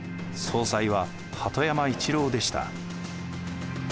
総裁は鳩山一郎でした。